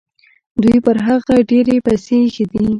دوی پر هغه ډېرې پیسې ایښي دي.